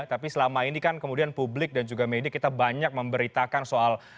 tapi selama ini kan kemudian publik dan juga media kita banyak memberitakan soal